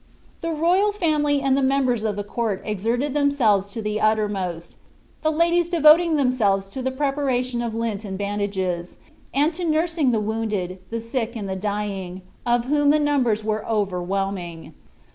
The royal family and the members of the court exerted themselves to the uttermost, the ladies devoting themselves to the preparation of lint and bandages, and to nursing the wounded, the sick, and the dying, of whom the numbers were overwhelming.